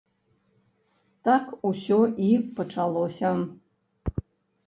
Так усё і пачалося.